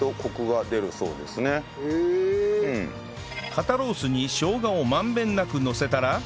肩ロースにしょうがを満遍なくのせたら